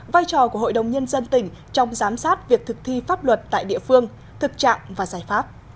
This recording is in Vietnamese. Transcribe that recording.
vai trò của hội đồng nhân dân tỉnh trong giám sát việc thực thi pháp luật tại địa phương thực trạng và giải pháp